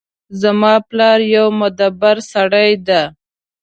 زما پلار یو مدبر سړی ده